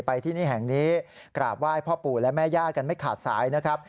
ที่นี่แห่งนี้กราบไหว้พ่อปู่และแม่ย่ากันไม่ขาดสายนะครับ